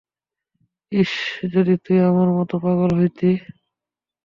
ইশশশ, যদি তুইও আমার মতো পাগল হইতি!